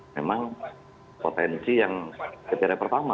memang potensi yang kriteria pertama